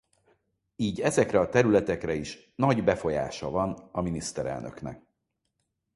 Így ezekre a területekre is nagy befolyása van a miniszterelnöknek.